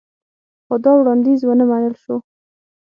خو دا وړاندیز ونه منل شو